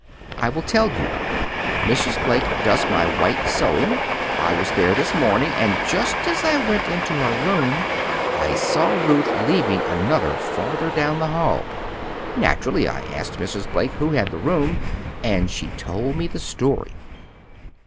"I will tell you. Mrs. Blake does my white sewing. I was there this morning; and just as I went into her room, I saw Ruth leaving another farther down the hall. Naturally I asked Mrs. Blake who had the room, and she told me the story."